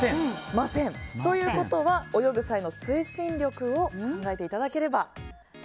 ということは、泳ぐ際の推進力を考えていただければ。